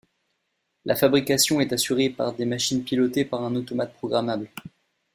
La fabrication est assurée par des machines pilotées par un automate programmable.